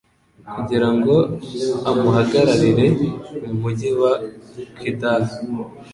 kugira ngo amuhagararire mu mugi wa Ouidah,